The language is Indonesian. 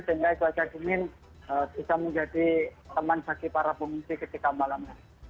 sehingga kota jemin bisa menjadi teman bagi para penghubungan ketika malam